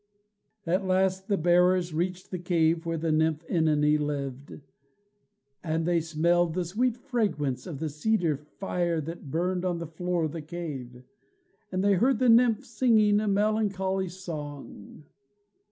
At last the bearers reached the cave where the nymph OEnone lived, and they smelled the sweet fragrance of the cedar fire that burned on the floor of the cave, and they heard the nymph singing a melancholy song.